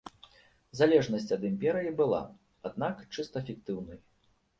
Залежнасць ад імперыі была, аднак, чыста фіктыўнай.